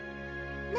何？